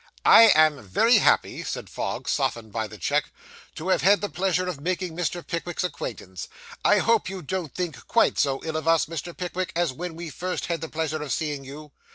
'I am very happy,' said Fogg, softened by the cheque, 'to have had the pleasure of making Mr. Pickwick's acquaintance. I hope you don't think quite so ill of us, Mr. Pickwick, as when we first had the pleasure of seeing you.